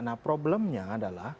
nah problemnya adalah